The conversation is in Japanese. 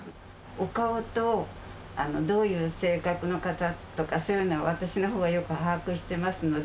お顔と、どういう性格の方とか、そういうのは私のほうがよく把握してますので。